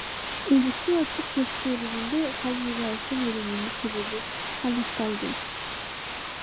Өлүктү ачып текшергенде Халмурзаевдин өлүмүнүн себеби аныкталган.